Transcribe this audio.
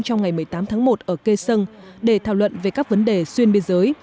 trong ngày một mươi tám tháng một ở cây sân để thảo luận về các vấn đề xuyên biên giới